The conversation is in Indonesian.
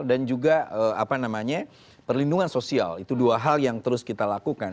dan juga apa namanya perlindungan sosial itu dua hal yang terus kita lakukan